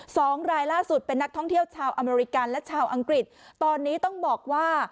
สองรายล่าสุดเป็นนักท่องเที่ยวชาวอเมริกันและชาวอังกฤษตอนนี้ต้องบอกว่า